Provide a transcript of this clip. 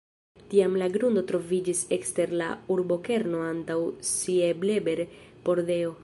Tiam la grundo troviĝis ekster la urbokerno antaŭ Siebleber-pordeo.